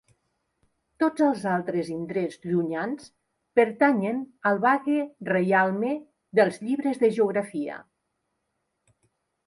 Tots els altres indrets llunyans pertanyen al vague reialme dels llibres de geografia.